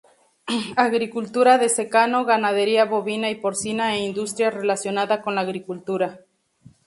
Agricultura de secano, ganadería bovina y porcina e industria relacionada con la agricultura.